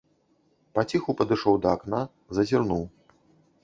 Паціху падышоў да акна, зазірнуў.